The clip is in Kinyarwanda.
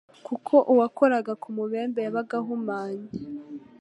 kuko uwakoraga ku mubembe yabaga ahumanye.